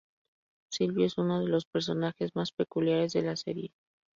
Silvio es uno de los personajes más peculiares de la serie.